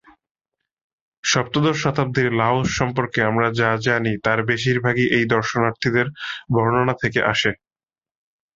সপ্তদশ শতাব্দীর লাওস সম্পর্কে আমরা যা জানি তার বেশিরভাগই এই দর্শনার্থীদের বর্ণনা থেকে আসে।